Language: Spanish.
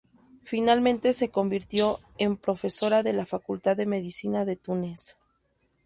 Finalmente se convirtió en profesora de la facultad de medicina de Túnez.